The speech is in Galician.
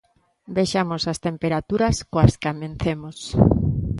Vexamos as temperaturas coas que amencemos.